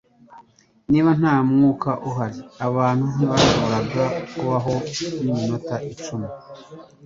Niba nta mwuka uhari, abantu ntibashoboraga kubaho niminota icumi. (piksea)